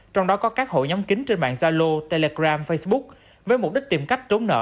trong đó có các hội nhóm kính trên mạng zalo telegram facebook với mục đích tìm cách trốn nợ